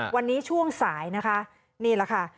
วันนี้ช่วงสายนะคะนี่แหละค่ะ